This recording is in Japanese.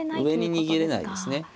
上に逃げれないですね。